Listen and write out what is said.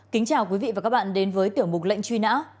kính chào quý vị và các bạn đến với tiểu mục lệnh truy nã